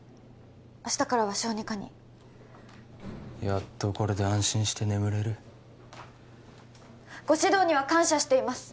明日からは小児科にやっとこれで安心して眠れるご指導には感謝しています